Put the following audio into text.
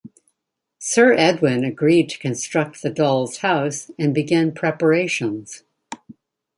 Sir Edwin agreed to construct the dolls' house and began preparations.